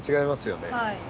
はい。